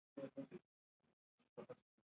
ستوني غرونه د افغانستان د چاپیریال ساتنې لپاره مهم دي.